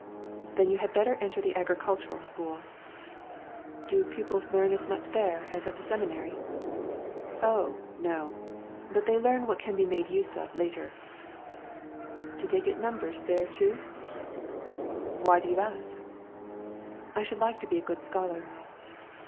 "Then you had better enter the agricultural school." "Do pupils learn as much there as at the seminary?" "Oh, no! but they learn what they can make use of later." "Do they get numbers there too?" "Why do you ask?" "I should like to be a good scholar."